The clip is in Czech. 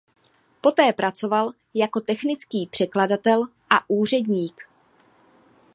Poté pracoval jako technický překladatel a úředník.